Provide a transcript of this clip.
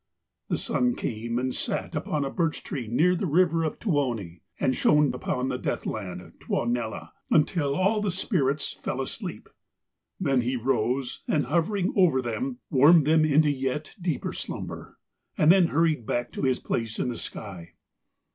The Sun came and sat upon a birch tree near the river of Tuoni, and shone upon the Deathland, Tuonela, until all the spirits fell asleep. Then he rose, and hovering over them, warmed them into a yet deeper slumber, and then hurried back to his place in the sky.